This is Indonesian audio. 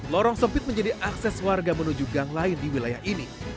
lorong sempit menjadi akses warga menuju gang lain di wilayah ini